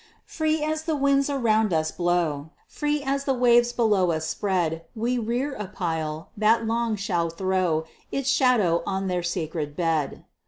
Free as the winds around us blow, Free as the waves below us spread, We rear a pile, that long shall throw Its shadow on their sacred bed.